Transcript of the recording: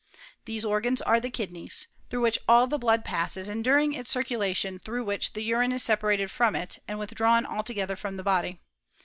These organs are the kidneys; through which all the blood passes, and during its circulation through which the urine is separated from it and withdrawn altogether from the body.